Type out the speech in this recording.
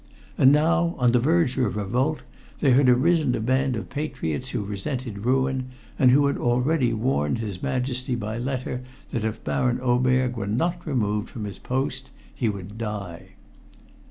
And now, on the verge of revolt, there had arisen a band of patriots who resented ruin, and who had already warned his Majesty by letter that if Baron Oberg were not removed from his post he would die.